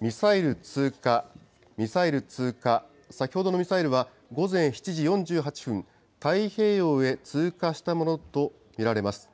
ミサイル通過、ミサイル通過、先ほどのミサイルは午前７時４８分、太平洋へ通過したものと見られます。